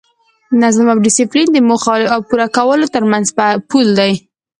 نظم او ډیسپلین د موخو او پوره کولو ترمنځ پل دی.